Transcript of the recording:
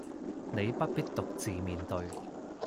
你不必獨自面對